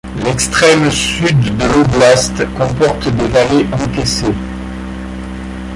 L'extrême sud de l'oblast comporte des vallées encaissées.